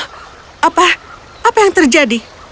apa apa yang terjadi